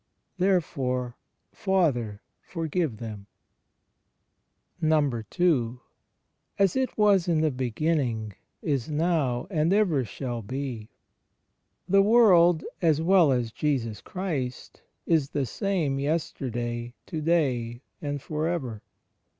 Therefore, Father, forgive them." II. "As it was in the beginning, is now and ever shall be." The world, as well as Jesus Christ, is the same yesterday, to day and for ever.